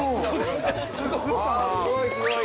◆すごい、すごい。